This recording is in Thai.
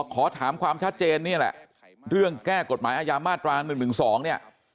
ขอถามความชัดเจนนี่แหละเรื่องแก้กฎหมายอาญามาตรา๑๑๒เนี่ย